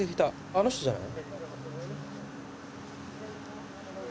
あの人じゃない？